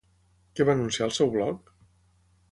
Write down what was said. Què va anunciar al seu blog?